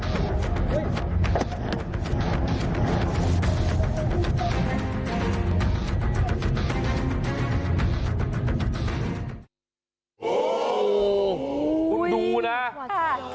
โอ๊ะโอ้คุณดูนะขวากัว